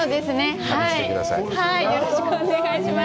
よろしくお願いします。